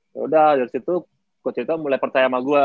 yaudah dari situ kusito mulai percaya sama gue